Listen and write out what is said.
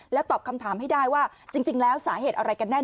ตอบคำถามให้ได้ว่าจริงแล้วสาเหตุอะไรกันแน่